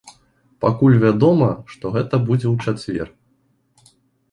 Пакуль вядома, што гэта будзе ў чацвер.